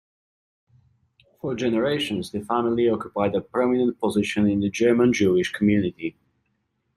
For generations, the family occupied a prominent position in the German Jewish community.